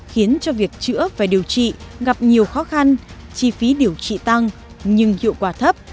khiến cho việc chữa và điều trị gặp nhiều khó khăn chi phí điều trị tăng nhưng hiệu quả thấp